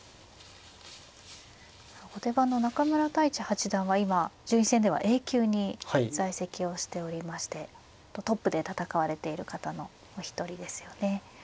後手番の中村太地八段は今順位戦ではＡ級に在籍をしておりましてトップで戦われている方のお一人ですよね。